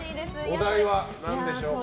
お題は何でしょうか。